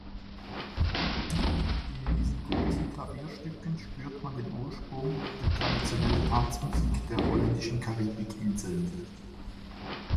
In diesen kurzen Klavierstücken spürt man den Ursprung, die traditionelle Tanzmusik der holländischen Karibikinseln.